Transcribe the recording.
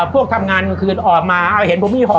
พวกทำงานกลางคืนออกมาเอาเห็นผมมีห่อ